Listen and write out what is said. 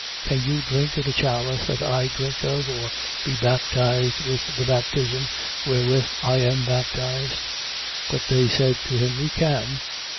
Can you drink of the chalice that I drink of or be baptized with the baptism wherewith I am baptized? 10:39. But they said to him: We can.